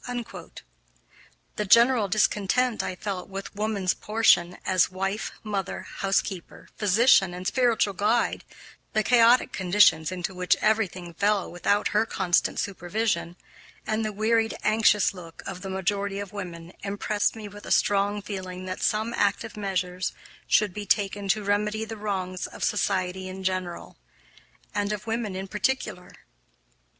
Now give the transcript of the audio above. The general discontent I felt with woman's portion as wife, mother, housekeeper, physician, and spiritual guide, the chaotic conditions into which everything fell without her constant supervision, and the wearied, anxious look of the majority of women impressed me with a strong feeling that some active measures should be taken to remedy the wrongs of society in general, and of women in particular.